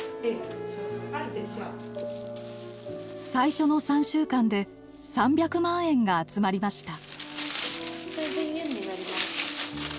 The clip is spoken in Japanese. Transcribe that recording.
最初の３週間で３００万円が集まりました。